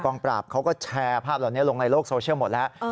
ปราบเขาก็แชร์ภาพเหล่านี้ลงในโลกโซเชียลหมดแล้ว